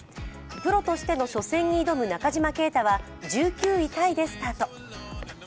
プロとしての初戦に挑む中島啓太は１９位タイでスタート。